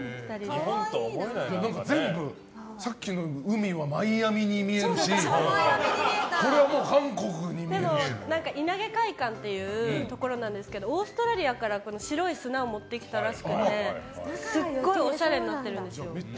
全部、さっきの海はマイアミに見えるし稲毛海岸というところなんですけどオーストラリアから白い砂を持ってきたらしくてすごいおしゃれになってるんですよ。